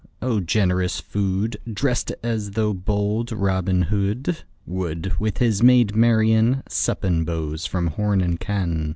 O generous food! Drest as though bold Robin Hood 10 Would, with his maid Marian, Sup and bowse from horn and can.